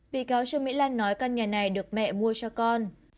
bị cáo trương mỹ lan nói căn nhà này được mẹ mua cho con